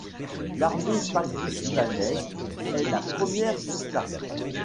L'armée pakistanaise est la première sur place.